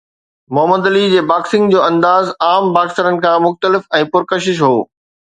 Muhammad Ali جي boxing جو انداز عام باڪسرز کان مختلف ۽ پرڪشش هو